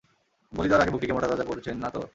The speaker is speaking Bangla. বলি দেওয়ার আগে বকরিকে মোটাতাজা করছেন না তো?